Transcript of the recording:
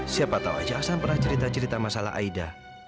siapa tahu aja ahsan pernah cerita cerita masalah aida